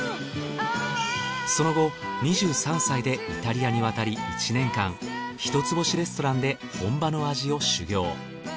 その後２３歳でイタリアに渡り１年間一つ星レストランで本場の味を修業。